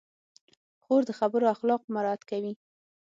خور د خبرو اخلاق مراعت کوي.